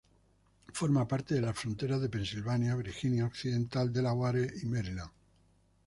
Forma parte de las fronteras de Pensilvania, Virginia Occidental, Delaware y Maryland.